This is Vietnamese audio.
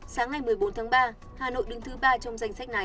sáng ngày một mươi bốn tháng ba hà nội đứng thứ ba trong danh sách này